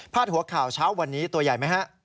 หัวข่าวเช้าวันนี้ตัวใหญ่ไหมฮะ